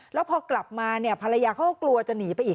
แล้วพอกลับมาเนี่ยภรรยาเขาก็กลัวจะหนีไปอีก